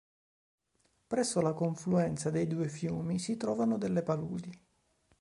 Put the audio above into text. Presso la confluenza dei due fiumi, si trovano delle paludi.